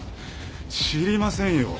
知りませんよ。